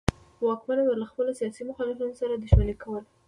واکمنو به له خپلو سیاسي مخالفینو سره دښمني کوله.